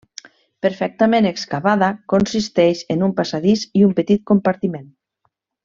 Perfectament excavada, consisteix en un passadís i un petit compartiment.